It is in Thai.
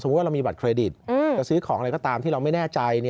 เรามีบัตรเครดิตจะซื้อของอะไรก็ตามที่เราไม่แน่ใจ